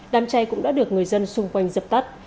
đám cháy cũng đã được người dân xung quanh dập tắt